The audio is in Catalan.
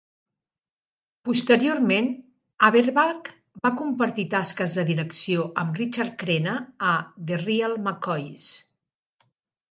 Posteriorment, Averback va compartir tasques de direcció amb Richard Crenna a "The Real McCoys".